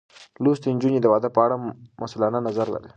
لوستې نجونې د واده په اړه مسؤلانه نظر لري.